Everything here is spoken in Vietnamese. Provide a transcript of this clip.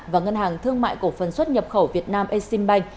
và ngân hàng thương mại cổ phần xuất nhập khẩu việt nam exim bank